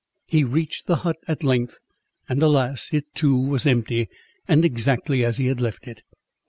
He reached the hut at length, and, alas! it too was empty, and exactly as he had left it.